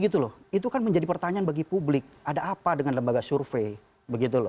itu kan menjadi pertanyaan bagi publik ada apa dengan lembaga survei